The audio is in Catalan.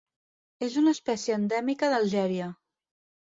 És una espècie endèmica d'Algèria.